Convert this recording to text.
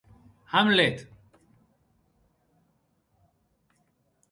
Hamlet!